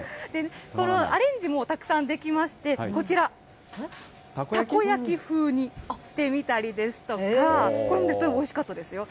このアレンジもたくさんできまして、こちら、たこ焼きふうにしてみたりですとか、これ、おいしかったですよ。